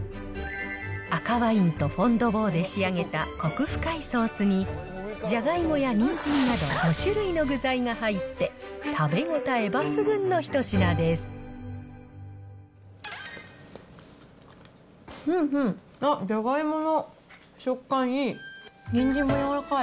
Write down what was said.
赤ワインとフォンドボーで仕上げたこく深いソースに、ジャガイモやニンジンなど５種類の具材が入って、うんうん、ジャガイモの食感いい！